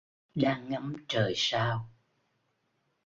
Đang ngắm trời sao